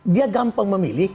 dia gampang memilih